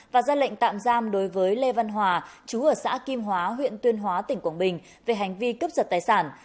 và ra lệnh tạm giam đối với lê văn hòa chú ở xã kim hóa huyện tuyên hóa tỉnh quảng bình về hành vi cướp giật tài sản